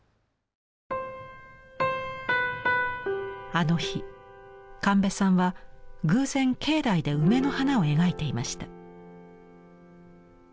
あの日神戸さんは偶然境内で梅の花を描いていました。